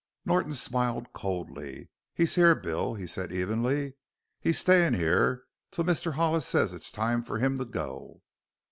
Norton smiled coldly. "He's here, Bill," he said evenly. "He's stayin' here till Mr. Hollis says it's time for him to go."